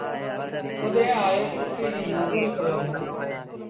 تڏهيݩ آئي ڦُٽيٚ ريٚ مزوريٚ ڪيآݩدوݩ۔